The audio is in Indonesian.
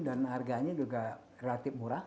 dan harganya juga relatif murah